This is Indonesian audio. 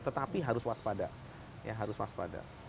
tetapi harus waspada